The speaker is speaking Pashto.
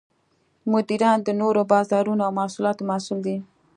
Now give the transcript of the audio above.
مدیران د نوو بازارونو او محصولاتو مسوول دي.